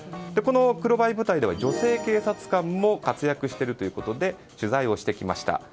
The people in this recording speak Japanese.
この黒バイ部隊では女性警察官も活躍しているということで取材してきました。